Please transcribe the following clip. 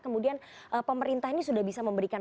kemudian pemerintah ini sudah bisa memberikan